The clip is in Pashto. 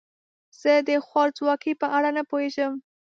زه د خوارځواکۍ په اړه نه پوهیږم.